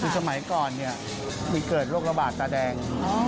สมัยก่อนมีเกิดโรคระบาดตาแดง